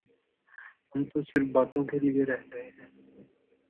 ہم تو صرف باتوں کیلئے رہ گئے ہیں۔